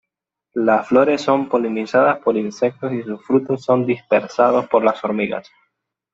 Las flores son polinizadas por insectos y sus frutos son dispersados por las hormigas.